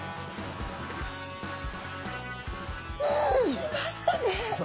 うん！来ましたね。